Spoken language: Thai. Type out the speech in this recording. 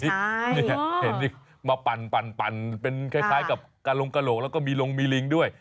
เห็นมาปั่นเป็นคล้ายกับกระลงกระโหลกแล้วก็มีลงมีลิงด้วย